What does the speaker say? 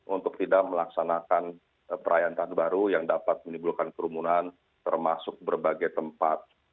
untuk tidak melaksanakan perayaan tahun baru yang dapat menimbulkan kerumunan termasuk berbagai tempat